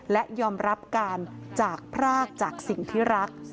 และยอมรับการจากพรากจากสิ่งที่รัก